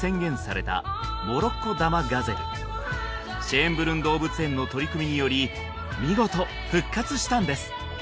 シェーンブルン動物園の取り組みにより見事復活したんです